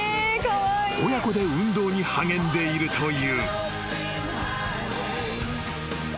［親子で運動に励んでいるという］